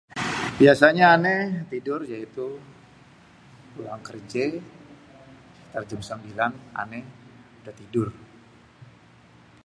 biasanyé ané tidur yaitu, pulang kerjé, éntar jém sembilan ané, udah tidur.